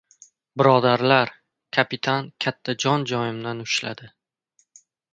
Birodarlar, kapitan katta jon joyimdan ushladi!